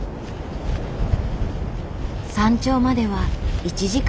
山頂までは１時間ほど。